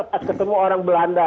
pas ketemu orang belanda